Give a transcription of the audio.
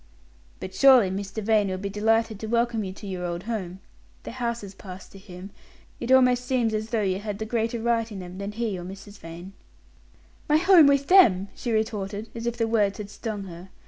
"But surely Mr. Vane will be delighted to welcome you to your old home. The houses pass to him it almost seems as though you had the greater right in them, than he or Mrs. Vane." "My home with them!" she retorted, as if the words had stung her.